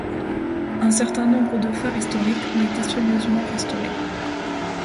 Un certain nombre de phares historiques ont été soigneusement restaurés.